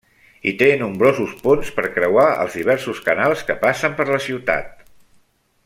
I té nombrosos ponts per creuar els diversos canals que passen per la ciutat.